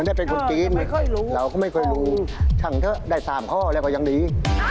ได้เป็นคนจีนเราก็ไม่เคยรู้ช่างเถอะได้๓ข้อเร็วเข้าอย่างนี้